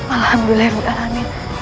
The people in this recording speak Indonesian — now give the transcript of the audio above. alhamdulillah ibu alamin